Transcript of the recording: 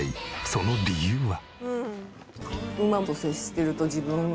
その理由は？